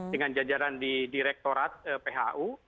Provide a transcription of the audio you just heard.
dengan jajaran di direktorat phu